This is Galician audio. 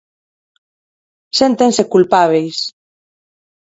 Séntense culpábeis.